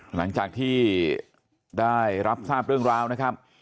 หลังจากที่ได้รับทราบเรื่องราวนะครับ